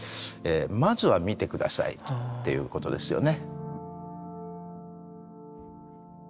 まずは見て下さいっていうことですよね。